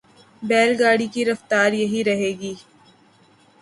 بیل گاڑی کی رفتار یہی رہے گی۔